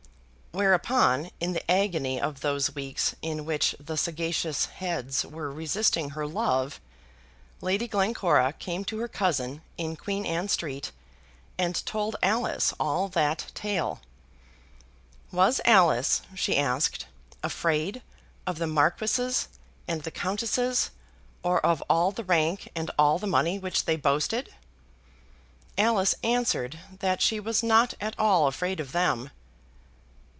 Whereupon in the agony of those weeks in which the sagacious heads were resisting her love, Lady Glencora came to her cousin in Queen Anne Street, and told Alice all that tale. "Was Alice," she asked, "afraid of the marquises and the countesses, or of all the rank and all the money which they boasted?" Alice answered that she was not at all afraid of them.